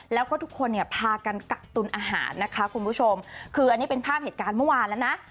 แล้วก็ทุกคนเนี่ยพากันกักตุลอาหารนะคะคุณผู้ชมคืออันนี้เป็นภาพเหตุการณ์เมื่อวานแล้วนะ